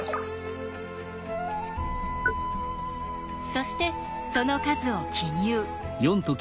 そしてその数を記入。